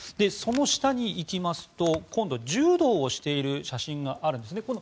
その下に行きますと今度、柔道をしている写真があるんです。